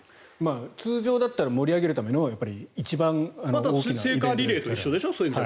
通常だったら盛り上げるための一番大きなイベントですよね。